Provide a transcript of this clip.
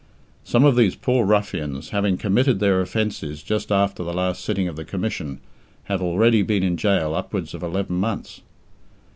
Some of these poor ruffians, having committed their offences just after the last sitting of the Commission, have already been in gaol upwards of eleven months!